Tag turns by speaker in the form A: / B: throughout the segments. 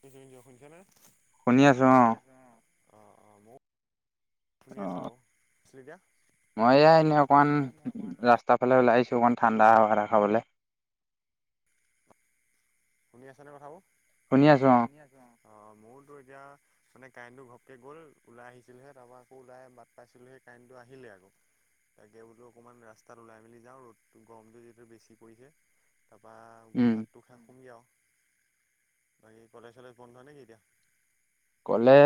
A: পছ শুনিছা নে? শুনি আছো অঁ শুনি আছো বাৰু আছিল এতিয়া।
B: মই এয়া এনেই অকনমান উম ৰাস্তাফালে ওলাই আহিছোঁ অকনমান। ঠাণ্ডা হটা খাবলৈ।
A: শুনি আছানে কথাবোৰ?
B: শুনি আছো অঁ
A: এতিয়া চানে কাৰেণ্টটো ঘপকে গ'ল ওলাই আহিছিলহে তাৰ পৰা আকৌ ওলাই বাদ পাইছিলো সেই কাৰেণ্টটো আহিলে।
B: [inaudible]
A: তাকে বোলো অকণমান ৰাস্তাত ওলাই মেলি যাওঁ ৰ'দটো গৰমটো যিহেতু বেছি পৰিছে। তাৰপৰা গৈ ভাতটো খাওঁ কমি আৰু বাকী কলেজ-চলেজ বন্ধ নেকি এতিয়া।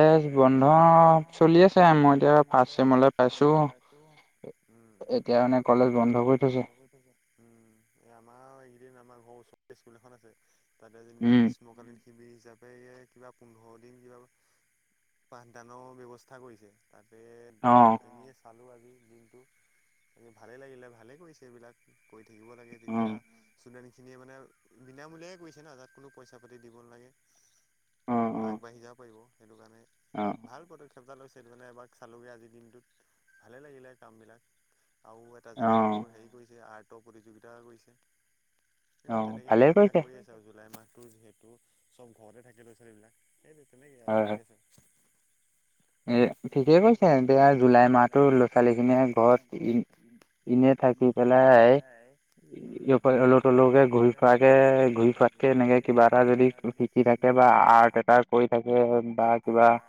A: কলেজ বন্ধ চলি আছে মই এতিয়া ফাৰ্ষ্ট চেমত পাইছোঁ। উম এতিয়া মানে কলেজ বন্ধ কৰি থৈছে আমাৰ এইকেইদিন আমাৰ। ঘৰ ওচৰত স্কুল এখন আছে তাতে যেনিবা গ্ৰীষ্মকালীন। শিবিৰ হিচাপে কিবা পোন্ধৰ দিন কিবা। পাঠদানৰ ব্যৱস্থা কৰিছে তাতে।
B: অঁ।
A: খালো আজি দিনটো ভালে লাগিলে ভালে কৰিছে এইবিলাক কৰি। থাকিব লাগে তেতিয়া ষ্টুডেন্টখিনিয়ে মানে বিনামূলীয়াই কৰিছে। ন তাত কোনো পইচা-পাতি দিব নালাগে আগবাঢ়ি যাব পাৰিব। সেইটো কাৰণে ভাল পদক্ষেপ এটা লৈছে। সেই কাৰণে এপাক চালোগৈ আজিৰ দিনটোত ভালেই লাগিলে কামবিলাক। আৰু এটা জেগাতো হেৰি কৰিছে আৰ্টৰ প্ৰতিযোগিতা কৰিছে।
B: অঁ ভালেই কৰিছে।
A: জুলাই মাহটো যিহেতু চব ঘৰতে থাকে ল'ৰা-ছোৱালীবিলাক সেইটো তেনেকে আৰু চলি আছে।
B: এ ঠিকেই কৈছে এতিয়া জুলাই মাহতো ল'ৰা-ছোৱালীখিনিয়ে ঘৰত [inaudible] এনেই থাকি পেলাই অলৌ-তলৌকে ঘূৰি ফুৰাকে ঘূৰি ফোৱা। এনেকে কিবা এটা যদি শিকি থাকে বা আৰ্ট এটা কৰি থাকে বা কিবা [inaudible]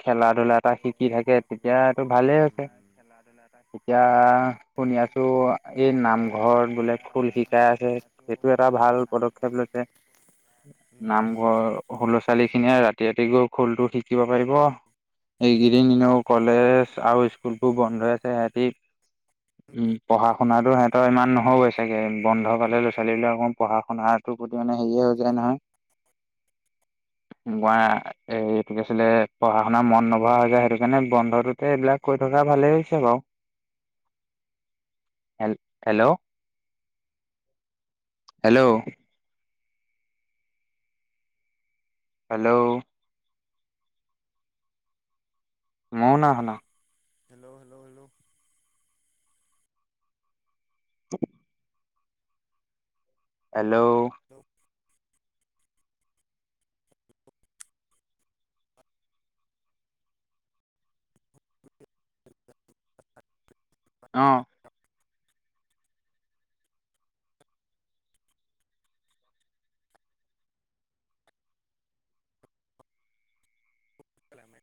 B: খেলা-ধূলা এটা শিকি থাকে তেতিয়া এইটো ভালেই হৈছে এতিয়া। শুনি আছো এই নামঘৰত বোলে খোল শিকাই আছে সেইটো এটা ভাল। পদক্ষেপ লৈছে নামঘৰ সৰু লৰা-ছোৱালীখিনিয়ে ৰাতি। সিহঁতি গৈ খোলটো শিকিব পাৰিব। এইকেইদিন এনেও কলেজ আৰু স্কুলবোৰ বন্ধ আছে সিহঁতি। উম পঢ়া-শুনাতো সিহঁতৰ ইমান নহয়গৈ চাগে বন্ধ পালে ল'ৰা-ছোৱালীবিলাকো অকন পঢ়া-শুনাৰ। প্ৰতি মানে হেৰিয়ে হৈ যায় নহয় গোৱা এই। আছিলে পঢ়া-শুনা মন নবহা হৈ যায় সেইটো কাৰণে বন্ধটোতে এইবিলাক কৈ থকা ভালেই হৈছে বাৰু। হেল্ল'। হেল্ল'। হেল্ল'। মইয়ো নাই শুনা।
A: হেল্ল'-হেল্ল'-হেল্ল'।
B: [unintelligible] হেল্ল'। অঁহ!
A: আছলামে।